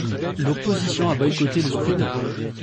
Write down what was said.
L'opposition a boycotté le scrutin.